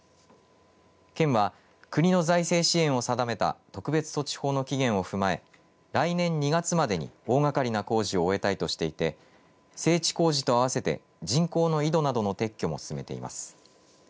県は、国の財政支援を定めた特別措置法の期限を踏まえ来年２月までに大がかりな工事を終えたいとしていて整地工事と合わせて人工の井戸などの撤去も進めています。